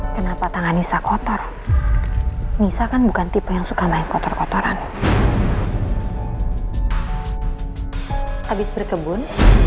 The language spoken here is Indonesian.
kenapa tangan nisa kotor nisa kan bukan tipe yang suka main kotor kotoran habis berkebun